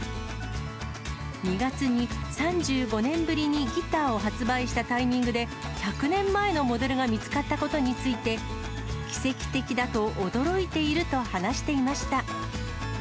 ２月に３５年ぶりにギターを発売したタイミングで、１００年前のモデルが見つかったことについて、奇跡的だと驚いていると話していました。